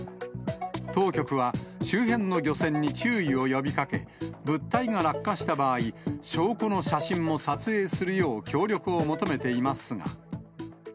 当局は周辺の漁船に注意を呼びかけ、物体が落下した場合、証拠の写真も撮影するよう協力を求めていますが。